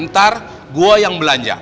ntar gue yang belanja